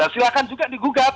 silahkan juga digugat